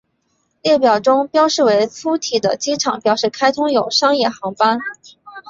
列表中标示为粗体的机场表示开通有商业航班。